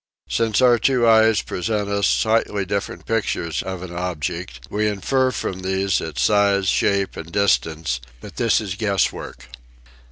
Since our two eyes present us slightly different pictures of an object we infer from these its size, shape and distance, but this is guesswork.